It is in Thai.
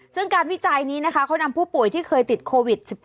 ซึ่งการวิจารณีนี้เขานำผู้ป่วยที่เคยติดโควิด